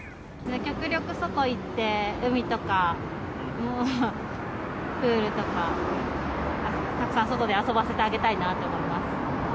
極力、外に行って海とか、プールとかたくさん外で遊ばせてあげたいなと思います。